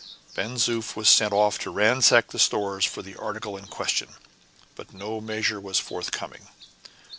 Ben Zoof was sent off to ransack the stores for the article in question, but no measure was forthcoming.